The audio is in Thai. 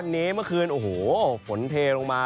ที่อะนิ่งเมื่อคืนคนเผลอโห่โฟนเทลงมา